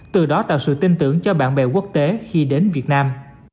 từ đó tạo sự tin tưởng cho bạn bè quốc tế khi đến việt nam